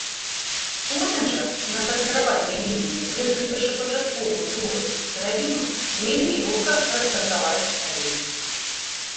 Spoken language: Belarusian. Потым жа, на сарціравальнай лініі, гэтую першапачатковую другасную сыравіну вельмі лёгка рассартаваць далей.